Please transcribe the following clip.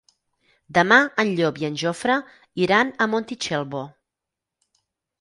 Demà en Llop i en Jofre iran a Montitxelvo.